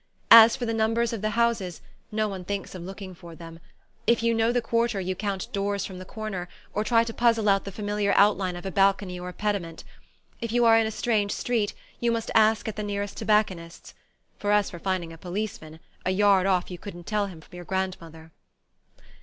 As for the numbers of the houses, no one thinks of looking for them. If you know the quarter you count doors from the corner, or try to puzzle out the familiar outline of a balcony or a pediment; if you are in a strange street, you must ask at the nearest tobacconist's for, as for finding a policeman, a yard off you couldn't tell him from your grandmother!